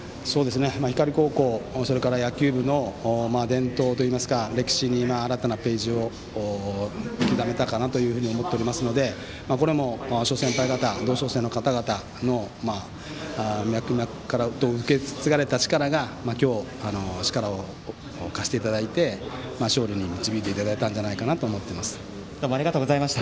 光高校、それから野球部の伝統というか歴史に新たなページを刻めたかなと思っておりますのでこれも、先輩方、同窓生の方々の脈々と受け継がれた力で今日、力を貸していただいて勝利に導いていただいたんじゃどうもありがとうございました。